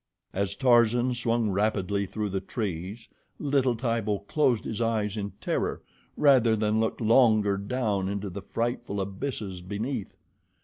As Tarzan swung rapidly through the trees, little Tibo closed his eyes in terror rather than look longer down into the frightful abysses beneath.